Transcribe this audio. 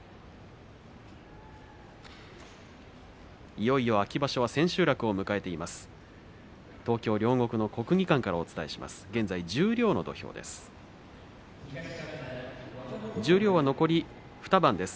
いよいよ秋場所は千秋楽を迎えています。